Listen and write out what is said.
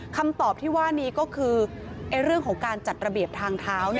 คำตอบที่ว่านี้ก็คือเรื่องของการจัดระเบียบทางเท้า